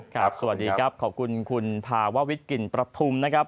สวัสดีครับขอบคุณคุณภาววิทย์กลิ่นประทุมนะครับ